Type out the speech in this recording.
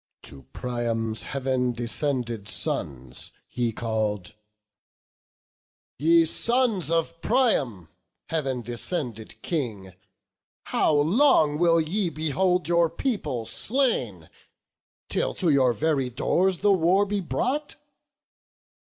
To Priam's Heav'n descended sons he call'd; "Ye sons of Priam, Heav'n descended King, How long will ye behold your people slain? Till to your very doors the war be brought?